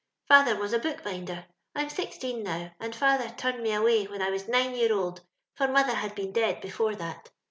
Father was a bookbinder. I'm sixteen now, and father turned me away when I was nine year old, for mother had been dead before that.